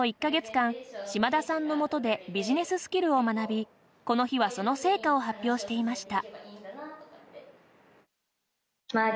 前島田さんのもとでビジネススキルを学び、この日はその成果を発表していました。